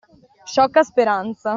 Sciocca speranza.